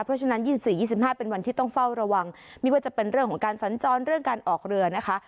เพราะฉะนั้น๒๔๒๕เป็นวันที่ต้องเฝ้าระวังไม่ว่าจะเป็นเรื่องของการสัญจรเรื่องการออกเรือนะคะ